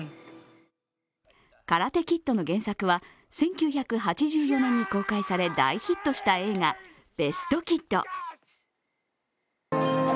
「カラテ・キッド」の原作は、１９８４年に公開され大ヒットした映画「ベスト・キッド」。